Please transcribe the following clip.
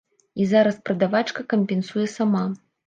І зараз прадавачка кампенсуе сама.